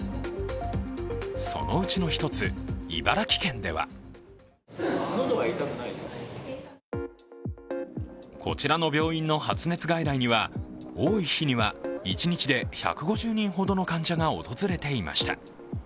そのうちの一つ、茨城県ではこちらの病院の発熱外来には多い日には１日で１５０人ほどの患者が訪れていました。